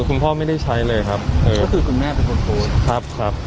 คุณพ่อไม่ได้ใช้เลยครับเออก็คือคุณแม่เป็นคนโพสต์ครับครับ